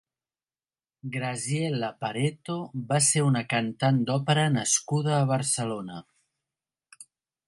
Graziella Pareto va ser una cantant d'òpera nascuda a Barcelona.